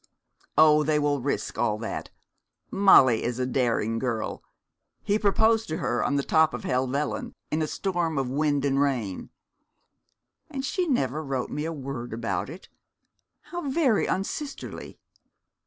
'Oh, they will risk all that. Molly is a daring girl. He proposed to her on the top of Helvellyn, in a storm of wind and rain.' 'And she never wrote me a word about it. How very unsisterly!'